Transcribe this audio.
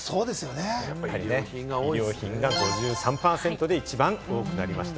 衣料品が５３％で一番多くなりました。